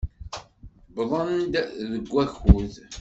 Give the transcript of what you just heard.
Wwḍen-d deg wakud.